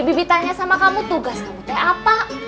bibi tanya sama kamu tugas kamu teh apa